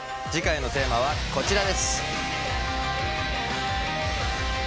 次回のテーマはこちらです！